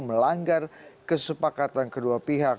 melanggar kesepakatan kedua pihak